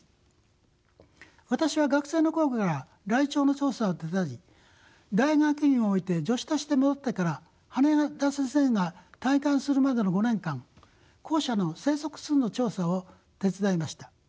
私は学生の頃からライチョウの調査を手伝い大学院を終えて助手として戻ってから羽田先生が退官するまでの５年間後者の生息数の調査を手伝いました。